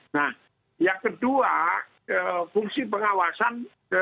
nah yang kedua fungsi pengawasan